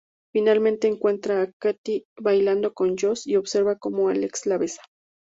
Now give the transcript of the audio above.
Finalmente encuentra a Katie bailando con Josh y observa como Alex la besa.